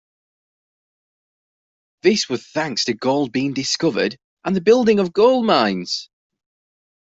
This was thanks to gold being discovered and the building of gold mines.